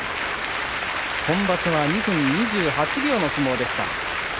今場所は２分２８秒の相撲でした。